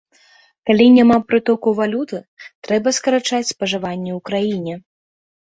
Калі няма прытоку валюты, трэба скарачаць спажыванне ў краіне.